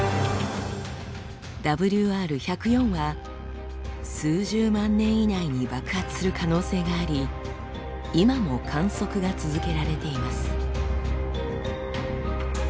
ＷＲ１０４は数十万年以内に爆発する可能性があり今も観測が続けられています。